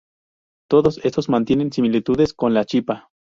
Todos estos mantienen similitudes con la chipa.